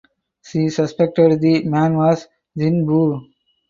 She suspected the man was Zin Bo.